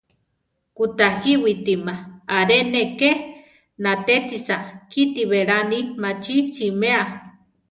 Kutajíwitima aré ne ké natétisa; kíti beláni machí siméa.